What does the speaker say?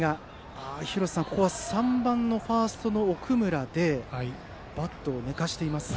廣瀬さん、ここは３番ファーストの奥村でバットを寝かしています。